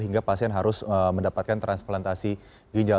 hingga pasien harus mendapatkan transplantasi ginjal